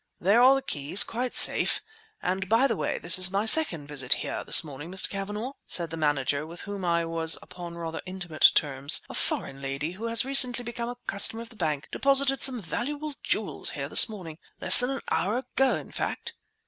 "There are the keys, quite safe!—and by the way, this is my second visit here this morning, Mr. Cavanagh," said the manager, with whom I was upon rather intimate terms. "A foreign lady who has recently become a customer of the bank deposited some valuable jewels here this morning—less than an hour ago, in fact."